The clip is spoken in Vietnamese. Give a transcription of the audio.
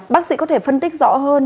bác sĩ có thể phân tích rõ hơn